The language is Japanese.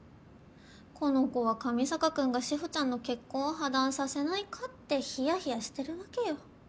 この子は上坂君が志保ちゃんの結婚を破談させないかってヒヤヒヤしてるわけよ。